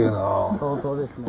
相当ですね。